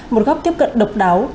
một góc tiếp cận độc đáo